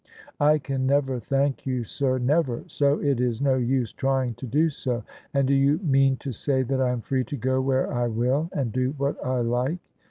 " I can never thank you, sir, never ! So it is no use trying to do so. And do you mean to say that I am free to go where I will and do what I like?